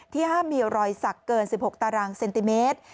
ห้ามมีรอยสักเกิน๑๖ตารางเซนติเมตร